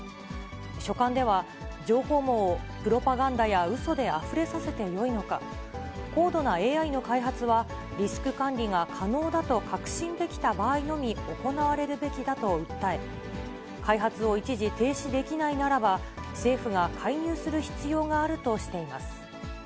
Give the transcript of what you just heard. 書簡では、情報網をプロパガンダやうそであふれさせてよいのか、高度なＡＩの開発は、リスク管理が可能だと確信できた場合のみ行われるべきだと訴え、開発を一時停止できないならば、政府が介入する必要があるとしています。